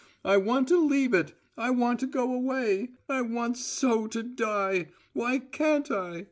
I want to leave it. I want to go away: I want so to die: Why can't I?